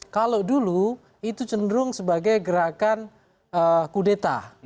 kalau dulu itu cenderung sebagai gerakan kudeta